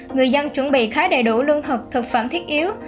người dân chuẩn bị khá đầy đủ lương thực thực phẩm thiết yếu